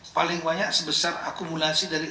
paling banyak sebesar akumulasi dari